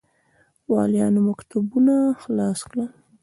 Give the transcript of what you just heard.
والیانو مکتوبونه خلاص کړل.